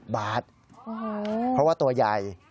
บาทเพราะว่าตัวใหญ่